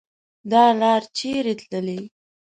دا لار چیري تللي